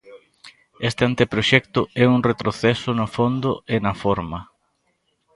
Este anteproxecto é un retroceso no fondo e na forma.